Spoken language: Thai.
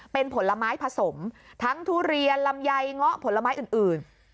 เป็นผลไม้ผสมทั้งทุเรียนลำไยเงาะผลไม้อื่น